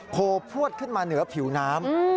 โพวดขึ้นมาเหนือผิวน้ำ